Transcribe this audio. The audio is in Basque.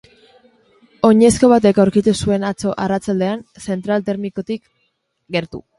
Oinezko batek aurkitu zuen atzo arratsaldean, zentral termikotik gertu.